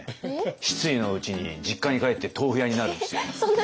失意のうちに実家に帰って豆腐屋になるんですよ。